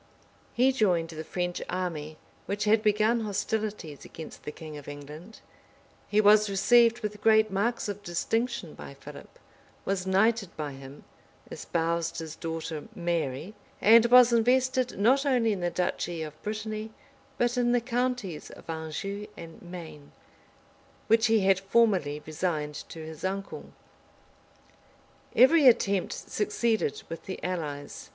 He joined the French army which had begun hostilities against the king of England: he was received with great marks of distinction by Philip; was knighted by him; espoused his daughter Mary; and was invested not only in the duchy of Brittany, but in the counties of Anjou and Maine, which he had formerly resigned to his uncle. Every attempt succeeded with the allies.